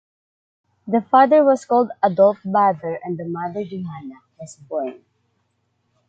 The father was called Adolf Baader and the mother Johanna, was born.